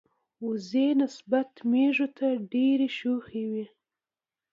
وزې نسبت مېږو ته ډیری شوخی وی.